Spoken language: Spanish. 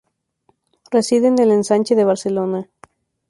Reside en el Ensanche de Barcelona.